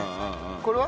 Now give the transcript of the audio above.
これは？